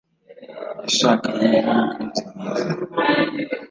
yashakanye numukunzi mwiza